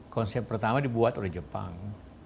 konsep pertama dibuat oleh jepang